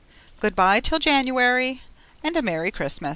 Goodbye till January and a merry Christmas!